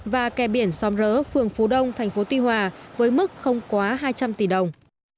và kè biển xóm rỡ phường phú đông thành phố tuy hòa với mức không quá hai trăm linh tỷ đồng